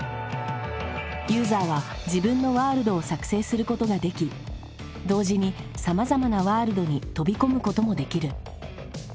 ユーザーは自分のワールドを作成することができ同時にさまざまなワールドに飛び込むこともできる。